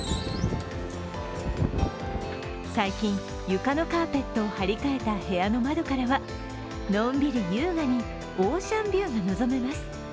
最近、床のカーペットを張り替えた部屋の窓からはのんびり優雅にオーシャンビューが望めます。